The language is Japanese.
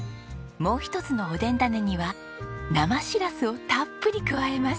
もう一つのおでんだねには生しらすをたっぷり加えます。